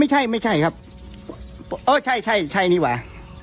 อ๋อไม่ใช่ไม่ใช่ครับโอ๊ะใช่ใช่ใช่นี่หว่า